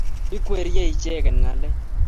Ikweryei icheget ngalek